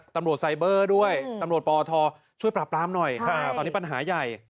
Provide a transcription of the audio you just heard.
ตำรวจไซเบอร์ด้วยตำรวจปอทช่วยปราบปรามหน่อยตอนนี้ปัญหาใหญ่